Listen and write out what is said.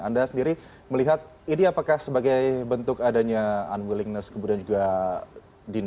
anda sendiri melihat ini apakah sebagai bentuk adanya unwillingness kemudian juga dinamika